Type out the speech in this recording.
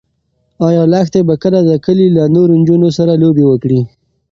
ایا لښتې به کله د کلي له نورو نجونو سره لوبې وکړي؟